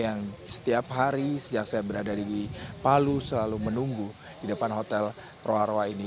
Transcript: dan setiap hari sejak saya berada di palu selalu menunggu di depan hotel roroa ini